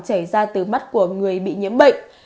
chảy ra từ mắt của người bị nhiễm bệnh